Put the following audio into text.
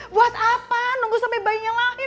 buat apa nunggu sampai bayinya lahir